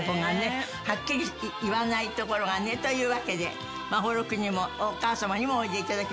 はっきり言わないところがね。というわけで眞秀君にもお母様にもおいで頂きました。